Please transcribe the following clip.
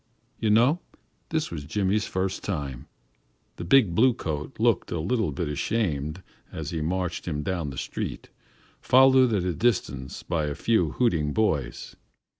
You know this was Jimmy's first time. The big blue coat looked a little bit ashamed as he marched him down the street, followed at a distance by a few hooting boys.